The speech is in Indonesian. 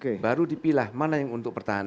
oke baru dipilah mana yang untuk pertahanan